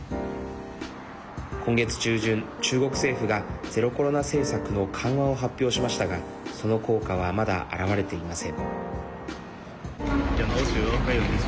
今月中旬、中国政府がゼロコロナ政策の緩和を発表しましたがその効果はまだ現れていません。